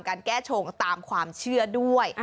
การแก้ชงตามความเชื่อด้วย